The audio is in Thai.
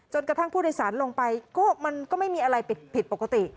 กระทั่งผู้โดยสารลงไปก็มันก็ไม่มีอะไรผิดปกติ